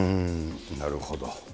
なるほど。